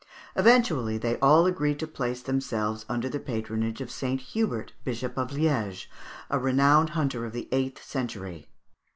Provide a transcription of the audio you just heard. Eventually they all agreed to place themselves under the patronage of St. Hubert, Bishop of Liège, a renowned hunter of the eighth century.